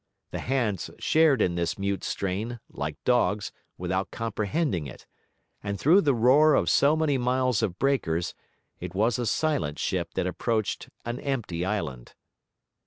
The hands shared in this mute strain, like dogs, without comprehending it; and through the roar of so many miles of breakers, it was a silent ship that approached an empty island.